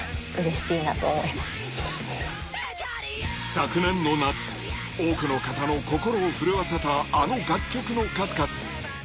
［昨年の夏多くの方の心を震わせたあの楽曲の数々］